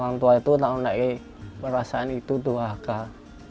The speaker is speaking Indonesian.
orang tua itu takut lagi perasaan itu tuh akal